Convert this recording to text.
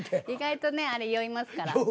意外とねあれ酔いますから。